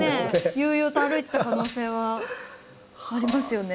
悠々と歩いていた可能性はありますよね。